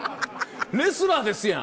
レスラーですやん。